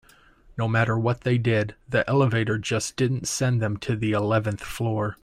No matter what they did, the elevator just didn't send them to the eleventh floor.